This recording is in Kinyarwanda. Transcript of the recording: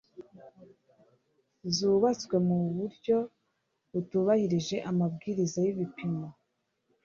zubatswe mu buryo butubahirije amabwiriza y'ibipimo